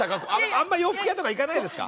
あんま洋服屋とか行かないですか？